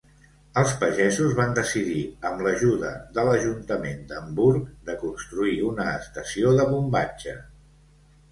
Els pagesos van decidir, amb l'ajuda de l'ajuntament d'Hamburg, de construir una estació de bombatge.